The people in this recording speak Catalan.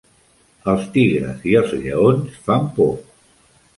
Els tigres i els lleons fan por.